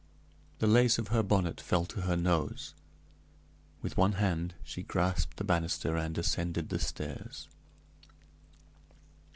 The lace of her bonnet fell to her nose. With one hand she grasped the banister and ascended the stairs.